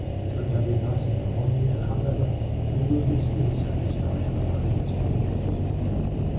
Should there be nothing wrong here, however, we will dismiss St. Eustache from our investigations.